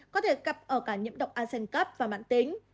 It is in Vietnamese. có thể gặp ở cả nhiễm độc a sen cấp và mạng tính